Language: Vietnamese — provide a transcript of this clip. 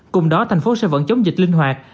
cùng đó thành phố sẽ vẫn chống dịch linh hoạt